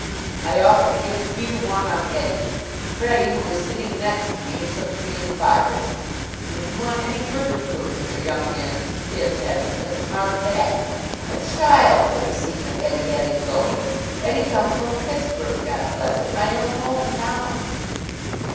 I offered to give three to one on Eddie. Freddie, who was sitting next to me, took me in fivers. And if you want any further proof of your young man's pin headedness; mark that! A child could have seen that Eddie had him going. Eddie comes from Pittsburgh God bless it! My own home town!"